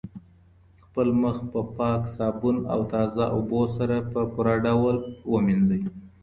خپل مخ په پاکه صابون او تازه اوبو سره په پوره ډول ومینځئ.